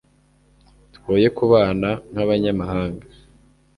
twoye kubana nk'abanyamahanga